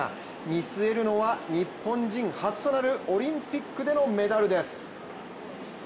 見据えるのは、日本人初となるオリンピックでのメダルです。